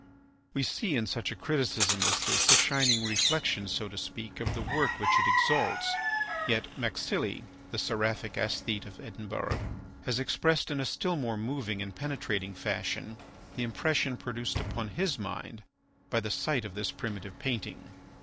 We see, in such a criticism as this, a shining reflection, so to speak, of the work which it exalts; yet MacSilly, the seraphic aesthete of Edinburgh, has expressed in a still more moving and penetrating fashion the impression produced upon his mind by the sight of this primitive painting.